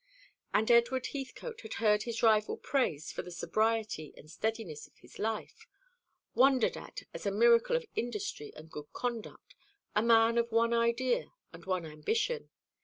And Edward Heathcote had heard his rival praised for the sobriety and steadiness of his life, wondered at as a miracle of industry and good conduct, a man of one idea and one ambition.